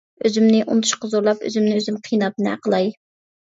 ئۆزۈمنى ئۇنتۇشقا زورلاپ، ئۆزۈمنى ئۆزۈم قىيناپ نە قىلاي!